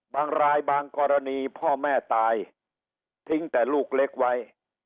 บางรายบางกรณีพ่อแม่ตายทิ้งแต่ลูกเล็กไว้